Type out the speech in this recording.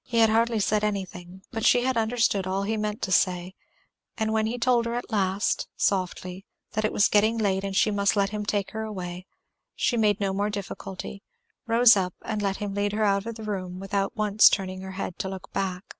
He had said hardly anything, but she had understood all he meant to say, and when he told her at last, softly, that it was getting late and she must let him take her away, she made no more difficulty; rose up and let him lead her out of the room without once turning her head to look back.